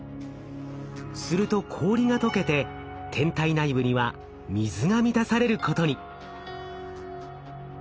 すると氷がとけて天体内部には水が満たされることに。